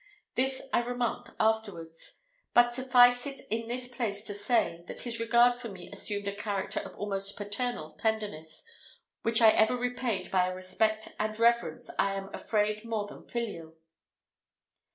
This I remarked afterwards; but suffice it in this place to say, that his regard for me assumed a character of almost paternal tenderness, which I ever repaid by a respect and reverence I am afraid more than filial.